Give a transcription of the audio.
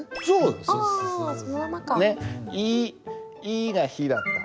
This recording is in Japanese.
「い」が「ひ」だった。